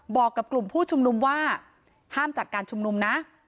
บอกกับกลุ่มผู้ชุมนุมว่าห้ามจัดการชุมนุมนะ